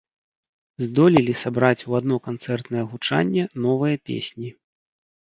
Здолелі сабраць у адно канцэртнае гучанне новыя песні.